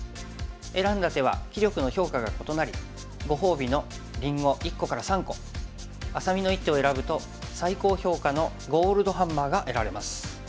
選んだ手は棋力の評価が異なりご褒美のりんご１個から３個愛咲美の一手を選ぶと最高評価のゴールドハンマーが得られます。